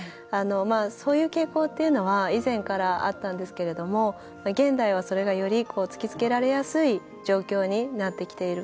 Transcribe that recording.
そういう傾向は以前からあったんですけれども現代はそれが、より突きつけられやすい状況になってきている。